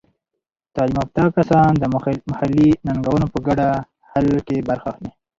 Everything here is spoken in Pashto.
تعلیم یافته کسان د محلي ننګونو په ګډه حل کې برخه اخلي.